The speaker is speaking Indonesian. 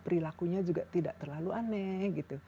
perilakunya juga tidak terlalu aneh gitu